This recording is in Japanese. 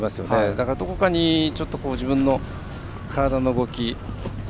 だから、どこかに自分の体の動き